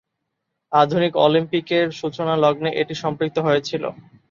আধুনিক অলিম্পিকের সূচনালগ্নে এটি সম্পৃক্ত হয়েছিল।